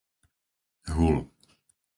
Hul